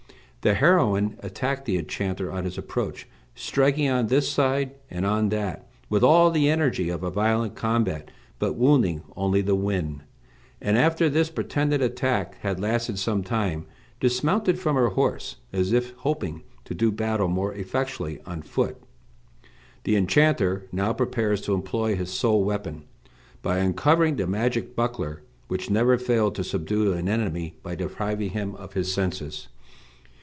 The heroine attacked the enchanter on his approach, striking on this side and on that, with all the energy of a violent combat, but wounding only the wind; and after this pretended attack had lasted some time dismounted from her horse, as if hoping to do battle more effectually on foot. The enchanter now prepares to employ his sole weapon, by uncovering the magic buckler which never failed to subdue an enemy by depriving him of his senses.